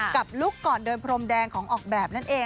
ลุคก่อนเดินพรมแดงของออกแบบนั่นเอง